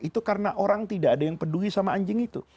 itu karena orang tidak ada yang peduli sama anjing itu